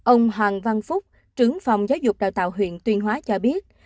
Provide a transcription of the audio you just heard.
ông hoàng văn phúc trưởng phòng giáo dục đào tạo huyện tuyên hóa cho biết